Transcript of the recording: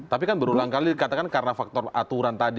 tapi kan berulang kali dikatakan karena faktor aturan tadi